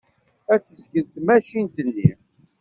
Ad tezgel tamacint-nni.